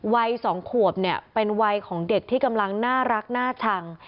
วัย๒ขวบเนี่ยเป็นวัยของเด็กที่กำลังน่ารักน่าชัง